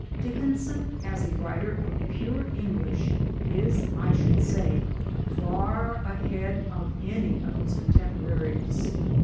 Dickinson as a writer of pure English is I should say far ahead of any of his contemporaries.